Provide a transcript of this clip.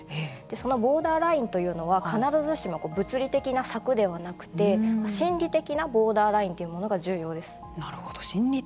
そのボーダーラインというのは必ずしも物理的な柵ではなくて心理的なボーダーラインというものが重要です。